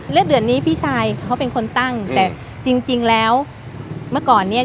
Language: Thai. แล้วเดือนนี้พี่ชายเขาเป็นคนตั้งแต่จริงจริงแล้วเมื่อก่อนเนี้ย